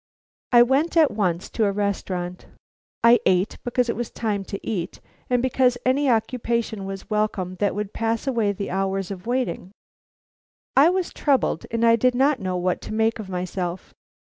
I went at once to a restaurant. I ate because it was time to eat, and because any occupation was welcome that would pass away the hours of waiting. I was troubled; and I did not know what to make of myself.